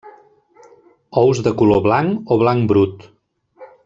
Ous de color blanc o blanc brut.